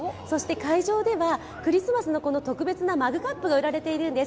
会場ではクリスマスの特別なマグカップが売られているんです。